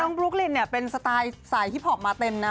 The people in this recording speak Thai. แล้วบอกว่าน้องบลูกลินเนี่ยเป็นสไตล์ฮิพพอปมาเต็มนะ